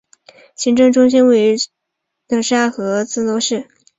行政中心位于瑙沙罗费洛兹市。